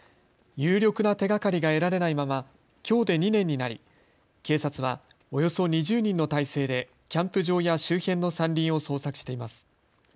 有力な手がかりが得られないままきょうで２年になり、警察はおよそ２０人の態勢でキャンプ場や周辺の山林を捜索しています。